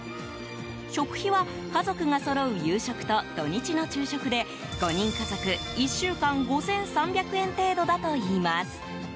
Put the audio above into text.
食費は、家族がそろう夕食と土日の昼食で５人家族１週間５３００円程度だといいます。